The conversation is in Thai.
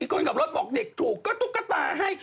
คนขับรถบอกเด็กถูกก็ตุ๊กตาให้